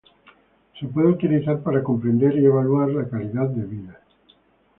Se puede utilizar para comprender y evaluar la calidad de vida.